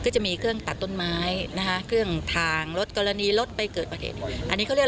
จะมีเครื่องตัดต้นไม้เครื่องทางลดกรณีลดไปเกิดป่าเทช